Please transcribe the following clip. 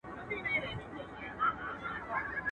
اوړه يو مټ نه لري، تنور ئې پر بام جوړ کړی دئ.